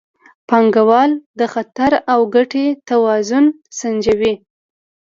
پانګوال د خطر او ګټې توازن سنجوي.